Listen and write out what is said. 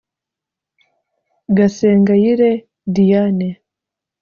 Gasengayire Diane